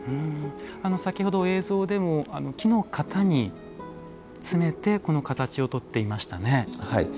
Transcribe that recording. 先ほど、映像でも木の型に詰めてこの形をとっていましたね。